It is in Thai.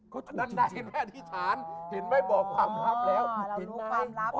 ก็ได้อาทิศฐานเห็นไม่บอกความลับแล้ว